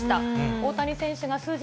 大谷選手が数字